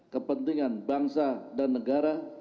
kepentingan bangsa dan negara